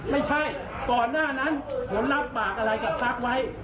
ไม่ใช่ก่อนหน้านั้นผมรับบากอะไรกับทักไว้